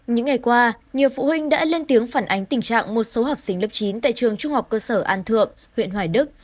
những ngày qua nhiều phụ huynh đã lên tiếng phản ánh tình trạng một số học sinh lớp chín tại trường trung học cơ sở an thượng huyện hoài đức